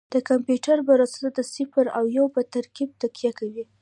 د کمپیوټر پروسه د صفر او یو په ترکیب تکیه کوي.